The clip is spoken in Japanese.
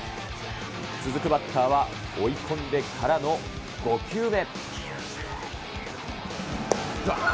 続くバッターは、追い込んでからの５球目。